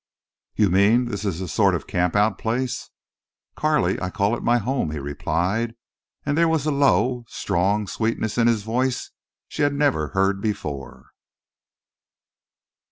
"You mean this is a sort of camp out place?" "Carley, I call it my home," he replied, and there was a low, strong sweetness in his voice she had never heard before.